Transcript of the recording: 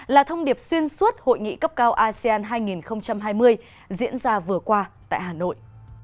là thông điệp xuyên suốt hội nghị cấp cao asean hai nghìn hai mươi diễn ra vừa qua tại hà nội